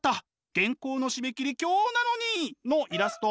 原稿の締め切り今日なのに！」のイラスト。